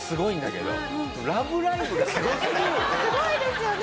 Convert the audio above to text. すごいですよね